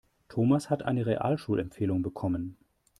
Thomas hat eine Realschulempfehlung bekommen.